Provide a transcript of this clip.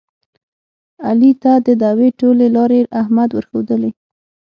علي ته د دعوې ټولې لارې احمد ورښودلې.